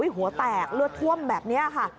หัวแตกเลือดท่วมแบบนี้ค่ะ